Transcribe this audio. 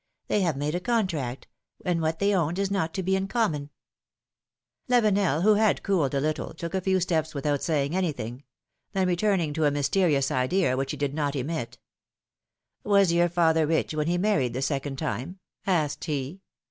They have made a con tract, and what they owned is not to be in common !" Lavenel, who had cooled a little, took a few steps without saying anything ; then, returning to a mysterious idea which he did not emit — '^Was your father rich when he married the second time?" asked he.